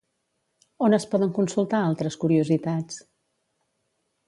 On es poden consultar altres curiositats?